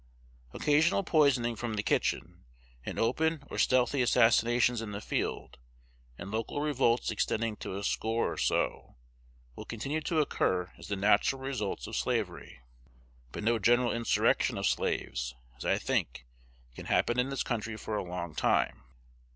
Occasional poisoning from the kitchen, and open or stealthy assassinations in the field, and local revolts extending to a score or so, will continue to occur as the natural results of slavery; but no general insurrection of slaves, as I think, can happen in this country for a long time.